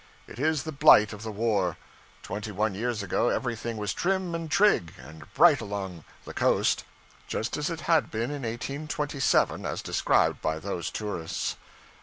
It is the blight of the war. Twenty one years ago everything was trim and trig and bright along the 'coast,' just as it had been in 1827, as described by those tourists.